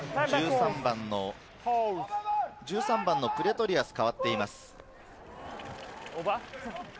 １３番のプレトリアスも代わっています。